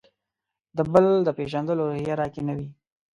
د «بل» د پېژندلو روحیه راکې نه وي.